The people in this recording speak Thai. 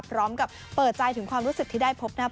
พร้อมกับเปิดใจถึงความรู้สึกที่ได้พบนะครับ